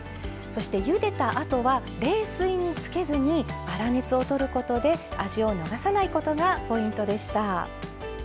そしてゆでたあとは冷水につけずに粗熱をとることで味を流さないことがポイントでした。